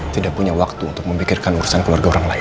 tidak punya waktu untuk memikirkan urusan keluarga orang lain